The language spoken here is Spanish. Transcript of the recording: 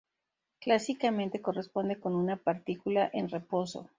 Clásicamente corresponde con una partícula en reposo.